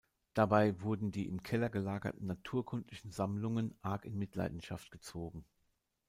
Dabei wurden die im Keller gelagerten naturkundlichen Sammlungen arg in Mitleidenschaft gezogen.